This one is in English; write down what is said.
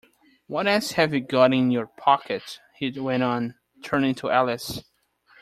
‘What else have you got in your pocket?’ he went on, turning to Alice.